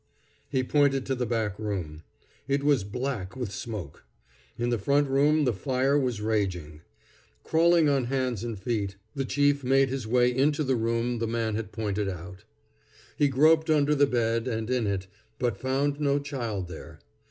He pointed to the back room. It was black with smoke. In the front room the fire was raging. Crawling on hands and feet, the chief made his way into the room the man had pointed out. He groped under the bed, and in it, but found no child there.